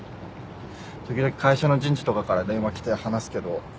時々会社の人事とかから電話来て話すけど。